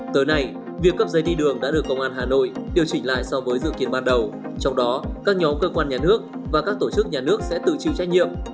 tới nay việc cấp giấy đi đường đã được công an hà nội điều chỉnh lại so với dự kiến ban đầu trong đó các nhóm cơ quan nhà nước và các tổ chức nhà nước sẽ tự chịu trách nhiệm